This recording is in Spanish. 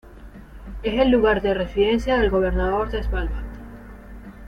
Es el lugar de residencia del Gobernador de Svalbard.